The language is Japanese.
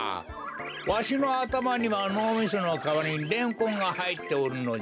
わしのあたまにはのうみそのかわりにレンコンがはいっておるのじゃ。